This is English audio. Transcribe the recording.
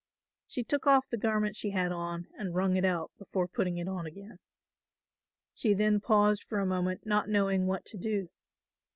She took off the garment she had on and wrung it out before putting it on again. She then paused for a moment not knowing what to do.